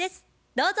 どうぞ。